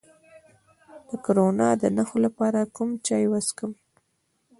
د کرونا د نښو لپاره کوم چای وڅښم؟